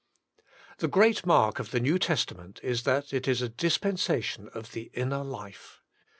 The great mark of the New Testament is that it is a dispensation of the inner life.